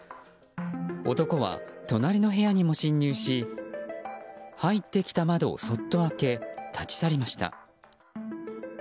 男は隣の部屋にも侵入し入ってきた窓をそっと開け立ち去りました。